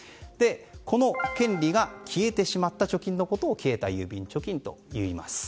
この権利が消えてしまった郵便貯金のことを消えた郵便貯金といいます。